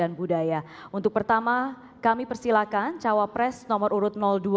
dan budaya untuk pertama kami persilakan cawa press nomor urut dua